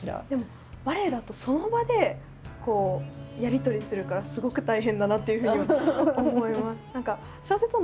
でもバレエだとその場でやり取りするからすごく大変だなっていうふうには思います。